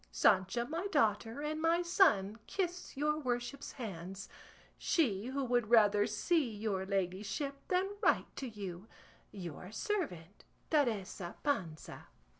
Sancha my daughter, and my son, kiss your worship's hands. She who would rather see your ladyship than write to you, Your servant, TERESA PANZA.